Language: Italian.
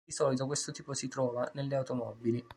Di solito questo tipo si trova nelle automobili.